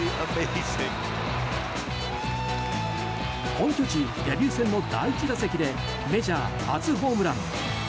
本拠地デビュー戦の第１打席でメジャー初ホームラン。